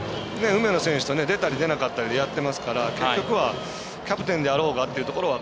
梅野選手と出たり出なかったりでやってますから結局はキャプテンであろうがというところは。